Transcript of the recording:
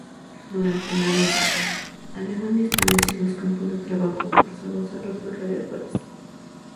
Durante la guerra, Alemania estableció dos campos de trabajo forzados a los alrededores.